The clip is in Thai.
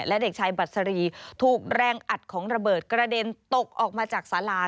และเด็กชายบัสรีถูกแรงอัดของระเบิดกระเด็นตกออกมาจากสารา